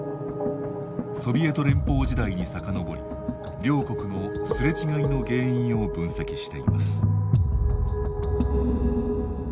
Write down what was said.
ソビエト連邦時代にさかのぼり両国のすれ違いの原因を分析しています。